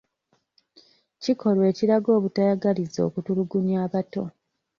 Kikolwa ekiraga obutayagaliza okutulugunya abato.